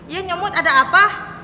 ya nyomut ada apa